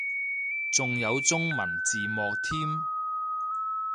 仲有中文字幕添